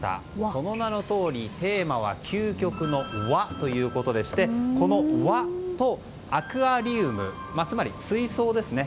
その名のとおりテーマは究極の和ということでしてこの「和」と、アクアリウムつまり水槽ですね。